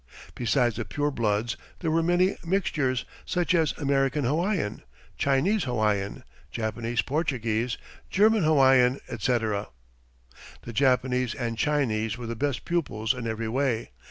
Besides the pure bloods there were many mixtures, such as American Hawaiian, Chinese Hawaiian, Japanese Portuguese, German Hawaiian, etc. "The Japanese and Chinese were the best pupils in every way.